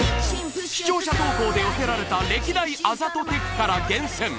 視聴者投稿で寄せられた歴代あざとテクから厳選！